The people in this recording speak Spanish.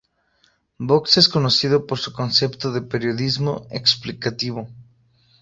Vox es conocido por su concepto de periodismo explicativo.